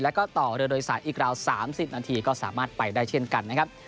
แล้วก็ต่อเรือโดยสารอีกราว๓๐นาทีก็สามารถไปได้เช่นกันนะครับ